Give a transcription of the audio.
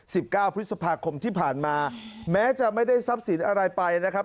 สิบเก้าพฤษภาคมที่ผ่านมาแม้จะไม่ได้ทรัพย์สินอะไรไปนะครับ